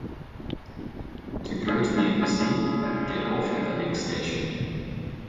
To go to the embassy, get off at the next station.